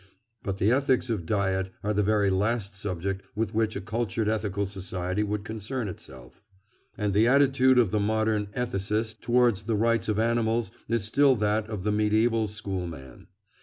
But the ethics of diet are the very last subject with which a cultured ethical society would concern itself, and the attitude of the modern "ethicist" towards the rights of animals is still that of the medieval schoolman.